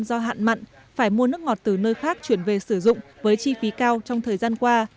do hạn mặn phải mua nước ngọt từ nơi khác chuyển về sử dụng với chi phí cao trong thời gian qua